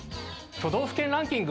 都道府県ランキング